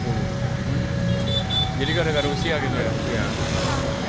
untuk mengetoknya usia harus sampai lima puluh